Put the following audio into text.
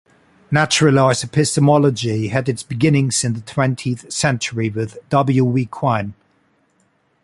Naturalized epistemology had its beginnings in the twentieth century with W. V. Quine.